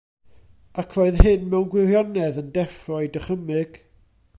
Ac roedd hyn mewn gwirionedd yn deffro ei dychymyg.